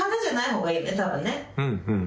うん。